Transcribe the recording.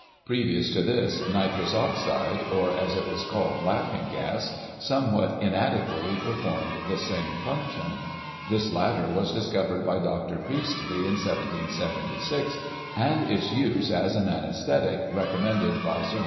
Previous to this, Nitrous Oxide, or, as it was called, "Laughing Gas," somewhat inadequately performed the same function. This latter was discovered by Dr. Priestley, in 1776, and its use, as an anaesthetic, recommended by Sir H.